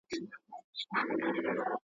چي پر سر باندي یې واوري اوروي لمن ګلونه.